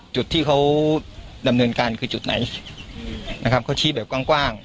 จุดที่เขาดำเนินการคือจุดไหนนะครับเขาชี้แบบกว้าง